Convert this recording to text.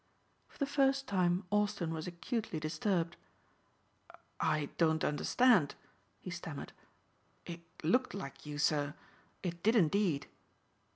For the first time Austin was acutely disturbed. "I don't understand," he stammered. "It looked like you, sir, it did indeed."